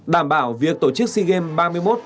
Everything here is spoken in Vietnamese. đảm bảo việc tổ chức sea games ba mươi một